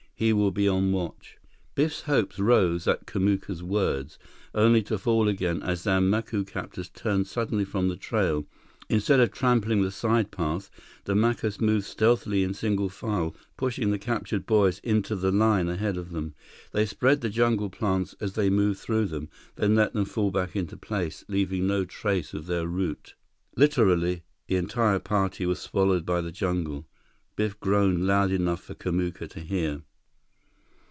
He will be on watch." Biff's hopes rose at Kamuka's words, only to fall again as their Macu captors turned suddenly from the trail. Instead of trampling the side path, the Macus moved stealthily in single file, pushing the captured boys into the line ahead of them. They spread the jungle plants as they moved through them, then let them fall back into place, leaving no trace of their route. Literally, the entire party was swallowed by the jungle. Biff groaned loud enough for Kamuka to hear.